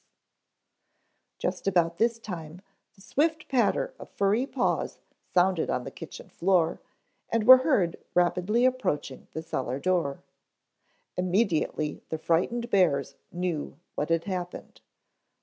Just about this time the swift patter of furry paws sounded on the kitchen floor and were heard rapidly approaching the cellar door. Immediately the frightened bears knew what had happened.